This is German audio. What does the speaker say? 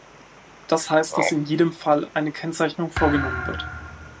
Das heißt, dass in jedem Fall eine Kennzeichnung vorgenommen wird.